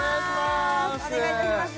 お願いいたします